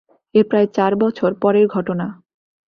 এর প্রায় চার বছর পরের ঘটনা।